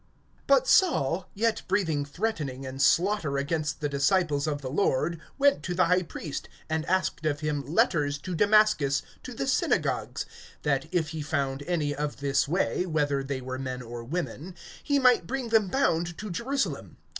BUT Saul, yet breathing threatening and slaughter against the disciples of the Lord, went to the high priest, (2)and asked of him letters to Damascus to the synagogues, that if he found any of this way, whether they were men or women, he might bring them bound to Jerusalem.